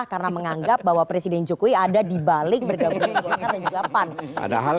karena menganggap bahwa presiden jokowi ada dibalik bergabung dengan pak jokowi